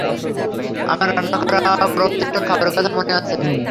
আমার রান্না করা প্রত্যেকটা খাবারের কথা মনে আছে।